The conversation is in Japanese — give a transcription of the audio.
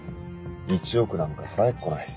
１億なんか払えっこない。